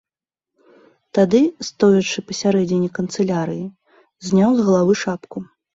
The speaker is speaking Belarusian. Тады, стоячы пасярэдзіне канцылярыі, зняў з галавы шапку.